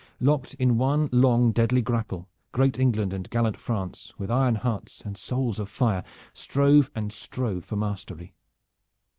Locked in one long deadly grapple, great England and gallant France with iron hearts and souls of fire strove and strove for mastery.